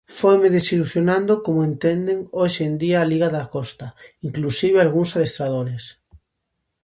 Foime desilusionando como entenden hoxe en día a liga da Costa, inclusive algúns adestradores.